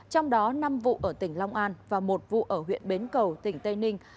trong đó năm vụ ở tỉnh long an và một vụ ở huyện bến cầu tỉnh tây ninh